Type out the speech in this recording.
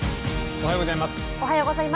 おはようございます。